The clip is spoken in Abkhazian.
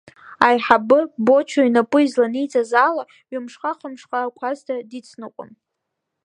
Аиҳабы, Бочо инапы изланиҵаз ала ҩымшҟа, хымшҟа Кәасҭа дицныҟәон.